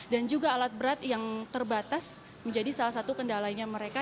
dan juga alat berat yang terbatas menjadi salah satu kendalanya mereka